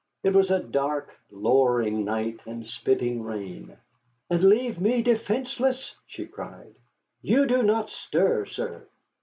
It was a dark, lowering night, and spitting rain. "And leave me defenceless!" she cried. "You do not stir, sir."